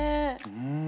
うん。